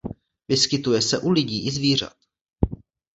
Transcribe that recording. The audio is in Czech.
Vyskytuje se u lidí i zvířat.